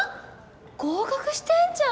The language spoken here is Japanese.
合格したんじゃん！